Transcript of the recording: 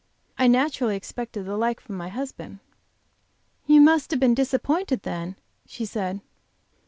I naturally expected the like from my husband." "You must have been disappointed then," she said.